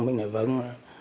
mình nói vâng